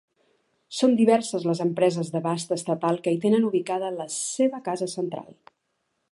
Són diverses les empreses d'abast estatal que hi tenen ubicada la seva casa central.